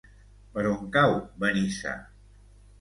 Per on cau Benissa?